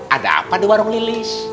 ada apa di warung lilis